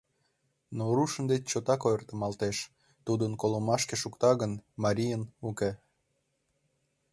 Но рушын деч чотак ойыртемалтеш: тудын колымашке шукта гын, марийын — уке.